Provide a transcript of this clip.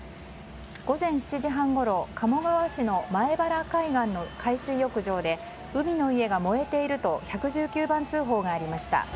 午前７時半ごろ鴨川市の前原海岸の海水浴場で海の家が燃えていると１１９番通報がありました。